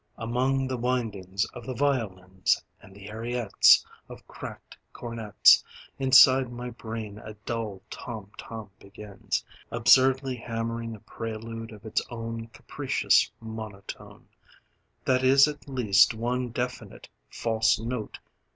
Among the windings of the violins And the ariettes Of cracked cornets Inside my brain a dull tom tom begins Absurdly hammering a prelude of its own, Capricious monotone That is at least one definite "false note."